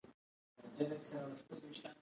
دا کار د بریالیتوب لامل کېدای شي.